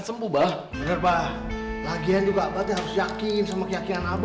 sopan lagi ya